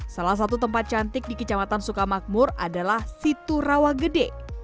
salah satu tempat cantik di kecamatan sukamakmur adalah siturawa gede